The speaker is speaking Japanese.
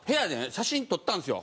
写真撮ったんですよ